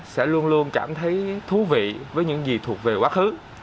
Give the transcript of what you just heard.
sẽ luôn luôn cảm thấy thú vị với những gì thuộc về quá khứ